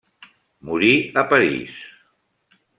Morí a París.